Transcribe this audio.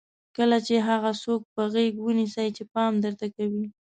کله چې هغه څوک په غېږ ونیسئ چې پام درته کوي.